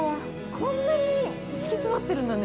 こんなに敷き詰まってるんだね。